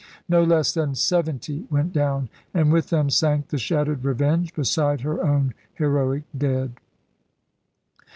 No less than seventy went down. And with them sank the shattered Revenge, beside her own heroic dead.